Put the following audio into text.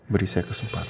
beri saya kesempatan